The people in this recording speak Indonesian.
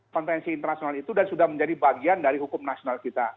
kontensi internasional itu dan sudah menjadi bagian dari hukum nasional kita